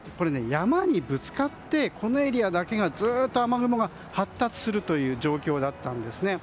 山にぶつかってこのエリアだけがずっと雨雲が発達する状況だったんです。